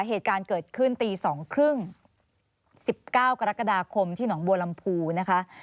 เหตุการณ์เกิดขึ้นตี๒๓๐๑๙กรกฎาคมที่หนองบัวลำพูนะคะ